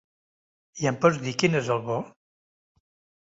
I em pots dir quin és el bo?